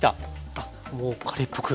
あっもうカレーっぽく。